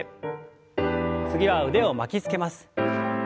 次は腕を巻きつけます。